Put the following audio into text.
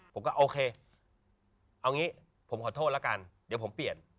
ผมก็โอเคเอางี้ผมขอโทษแล้วกันเดี๋ยวผมเปลี่ยน